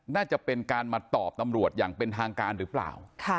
น่าจะเป็นการมาตอบตำรวจอย่างเป็นทางการหรือเปล่า